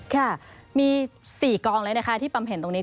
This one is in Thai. ค่ะมี๔กองเลยนะคะที่ปั๊มเห็นตรงนี้